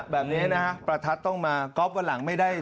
แบบนี้นะฮะประทัดต้องมาก๊อฟวันหลังไม่ได้